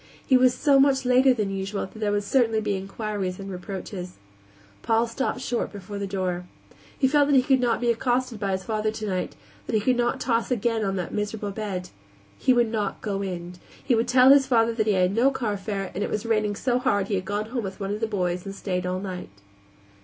He was so much later than usual that there would certainly be inquiries and reproaches. Paul stopped short before the door. He felt that he could not be accosted by his father tonight; that he could not toss again on that miserable bed. He would not go in. He would tell his father that he had no carfare and it was raining so hard he had gone home with one of the boys and stayed all night.